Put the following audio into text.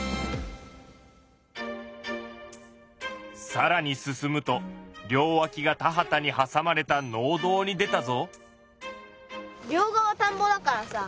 さらに進むと両わきが田畑にはさまれた農道に出たぞ。